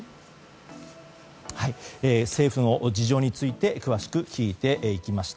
政府の事情について詳しく聞いていきました。